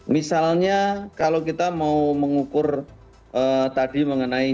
misalnya kalau kita mau mengukur tadi mengenai